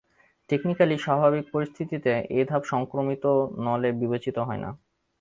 Technically, স্বাভাবিক পরিস্থিতিতে, এই ধাপ সংক্রমিত নলে বিবেচিত হয় না।